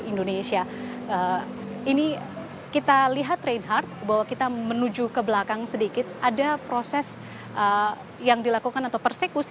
indonesia ini kita lihat reinhardt bahwa kita menuju ke belakang sedikit ada proses yang dilakukan atau persekusi